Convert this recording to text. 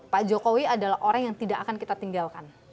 pak jokowi adalah orang yang tidak akan kita tinggalkan